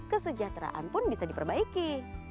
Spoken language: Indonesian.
kesejahteraan pun bisa diperbaiki